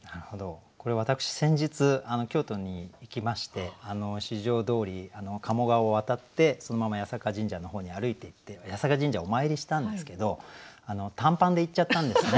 これ私先日京都に行きまして四条通鴨川を渡ってそのまま八坂神社の方に歩いていって八坂神社お参りしたんですけど短パンで行っちゃったんですね。